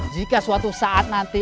jika suatu saat nanti